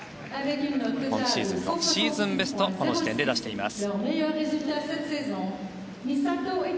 今シーズンのシーズンベストをこの時点で出しています。